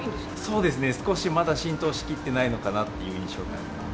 そうですね、少しまだ浸透しきってないのかな？っていう印象があります。